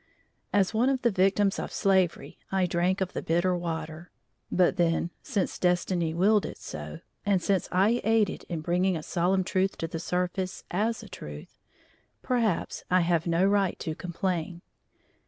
As one of the victims of slavery I drank of the bitter water; but then, since destiny willed it so, and since I aided in bringing a solemn truth to the surface as a truth, perhaps I have no right to complain.